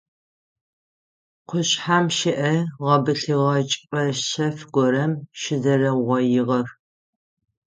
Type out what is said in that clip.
Къушъхьэм щыӏэ гъэбылъыгъэ чӏыпӏэ шъэф горэм щызэрэугъоигъэх.